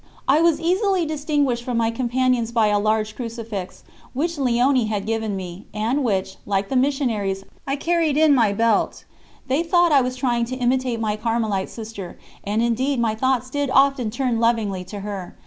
I was easily distinguished from my companions by a large crucifix, which Léonie had given me, and which, like the missionaries, I carried in my belt. They thought I was trying to imitate my Carmelite sister, and indeed my thoughts did often turn lovingly to her.